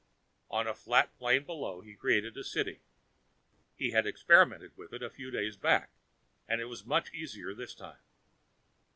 On the flat plain below he created a city. He had experimented with it a few days back, and it was much easier this time.